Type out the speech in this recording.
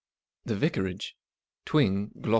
"The Vicarage, "Twing, Glos.